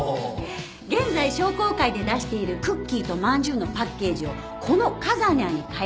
現在商工会で出しているクッキーとまんじゅうのパッケージをこのかざにゃーに変え